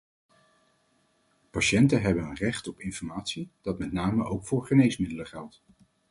Patiënten hebben een recht op informatie, dat met name ook voor geneesmiddelen geldt.